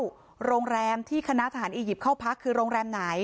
ธุรกิจตกลงแล้วโรงแรมที่คณะทหารอียิปท์เข้าพักคือโรงแรมนี้